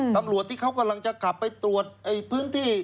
ตำรวจที่เขากำลังจะกลับไปตรวจพื้นที่